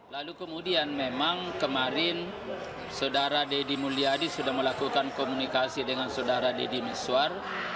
lalu kemudian memang kemarin saudara deddy mulyadi sudah melakukan komunikasi dengan saudara deddy miswar